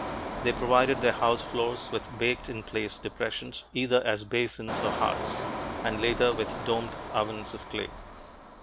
They provided their house floors with baked in place depressions, either as basins or hearths, and later with domed ovens of clay.